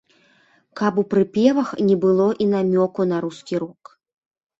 І каб у прыпевах не было і намёку на рускі рок.